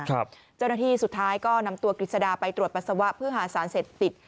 เจ้าหน้าที่สุดท้ายก็นำตัวกฤษดาไปตรวจปัสสาวะเพื่อหาสารเสพติด